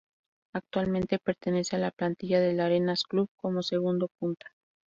Actualmente pertenece a la plantilla del Arenas Club como segundo punta.